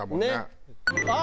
あっ！